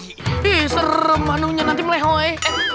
wih serem manunya nanti melehoy